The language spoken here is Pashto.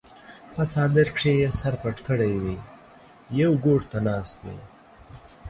پۀ څادر کښې ئې سر پټ کړے وي يو ګوټ ته ناست وي